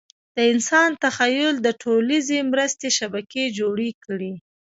د انسان تخیل د ټولیزې مرستې شبکې جوړې کړې.